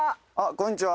こんにちは